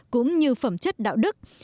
cũng như phẩm chất đạo đức